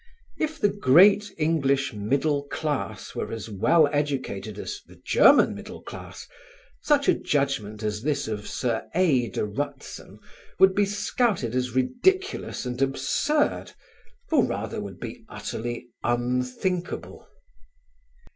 If the great English middle class were as well educated as the German middle class, such a judgment as this of Sir A. de Rutzen would be scouted as ridiculous and absurd, or rather would be utterly unthinkable.